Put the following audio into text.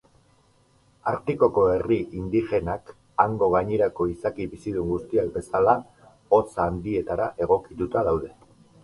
Artikoko herri indigenak, hango gainerako izaki bizidun guztiak bezala, hotz handietara egokituta daude.